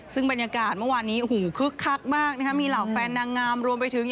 ซึ่งบรรยากาศเมื่อวานนี้โอ้โหคึกคักมากนะครับมีเหล่าแฟนนางงามรวมไปถึง